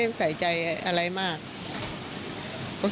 ตลอดทั้งคืนตลอดทั้งคืน